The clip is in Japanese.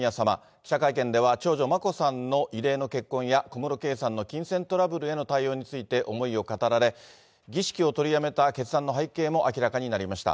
記者会見では、長女、眞子さんの異例の結婚や、小室圭さんの金銭トラブルへの対応について思いを語られ、儀式を取りやめた決断の背景も明らかになりました。